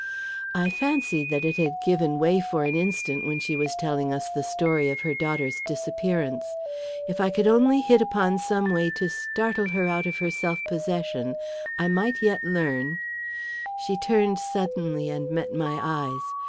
I fancied that it had given way for an instant when she was telling us the story of her daughter's disappearance. If I could only hit upon some way to startle her out of her self possession, I might yet learn She turned suddenly and met my eyes.